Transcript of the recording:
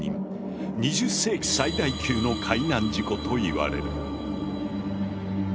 ２０世紀最大級の海難事故といわれる。